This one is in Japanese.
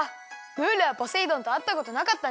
ム―ルはポセイ丼とあったことなかったね！